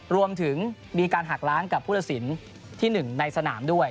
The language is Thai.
รวมถึงมีการหักล้างกับผู้ตัดสินที่๑ในสนามด้วย